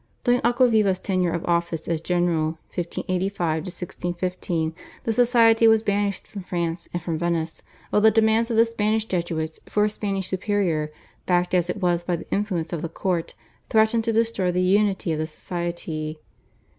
During Aquaviva's tenure of office as general (1585 1615) the society was banished from France and from Venice, while the demands of the Spanish Jesuits for a Spanish superior, backed as it was by the influence of the court, threatened to destroy the unity of the Society.